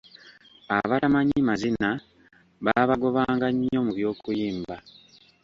Abatamanyi mazina baabagobanga nnyo mu by’okuyimba.